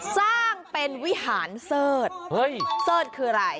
สร้างเป็นวิหารเสิร์ธเสิร์ธคืออะไร